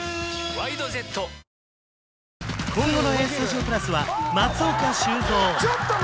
「ＷＩＤＥＪＥＴ」今後の「ＡＳＴＵＤＩＯ＋」は松岡修造